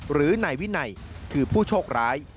หรือนายวินัยคือผู้โชคร้าย